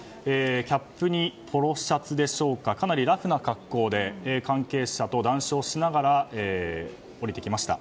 キャップにポロシャツでしょうかかなりラフな格好で関係者と談笑しながら降りてきました。